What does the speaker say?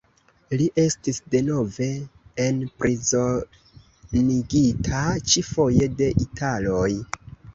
Li estis denove enprizonigita, ĉi-foje de italoj.